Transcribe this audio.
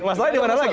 masalahnya dimana lagi